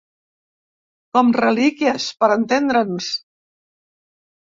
Com relíquies, per entendre'ns.